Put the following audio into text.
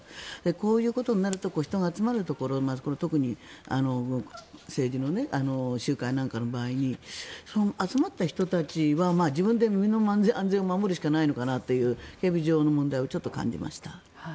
こういうことになると人が集まるところ特に政治の集会なんかの場合に集まった人たちは自分で身の安全を守るしかないのかなという警備上の問題をちょっと感じました。